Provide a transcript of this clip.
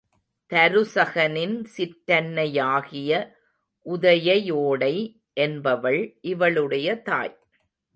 தருசகனின் சிற்றன்னையாகிய உதையையோடை என்பவள் இவளுடைய தாய்.